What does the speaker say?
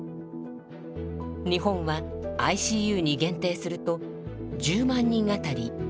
日本はＩＣＵに限定すると１０万人あたり４．３。